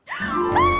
ああ！